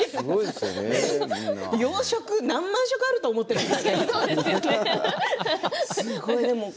洋食、何万食あると思ってるんですか。